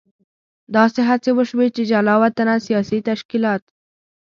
داسې هڅې وشوې چې جلا وطنه سیاسي تشکیلات.